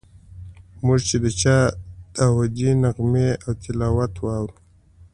موږ چې د چا داودي نغمې او تلاوت واورو.